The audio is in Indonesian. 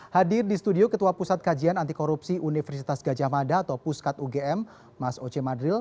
hadir di studio ketua pusat kajian antikorupsi universitas gajah mada atau puskat ugm mas oce madril